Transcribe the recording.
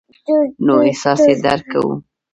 نو احساس یې درک کوو.